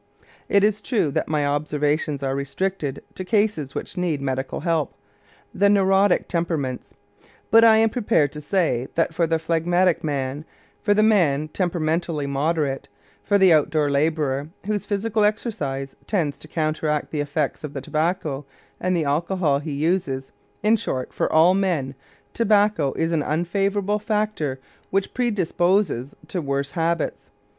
It is true that my observations are restricted to cases which need medical help, the neurotic temperaments, but I am prepared to say that for the phlegmatic man, for the man temperamentally moderate, for the outdoor laborer, whose physical exercise tends to counteract the effect of the tobacco and the alcohol he uses in short, for all men, tobacco is an unfavorable factor which predisposes to worse habits.